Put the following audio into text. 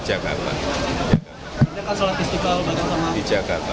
ada kan sholat istiqlal di jakarta